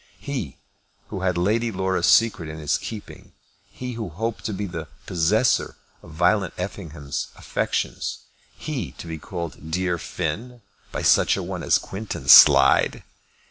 He, who had Lady Laura's secret in his keeping; he who hoped to be the possessor of Violet Effingham's affections, he to be called "dear Finn" by such a one as Quintus Slide!